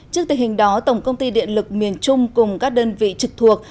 trước tình hình đó tổng công ty điện lực miền trung cùng các đơn vị trực thuộc